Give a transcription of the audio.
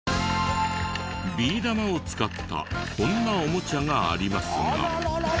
ビー玉を使ったこんなおもちゃがありますが。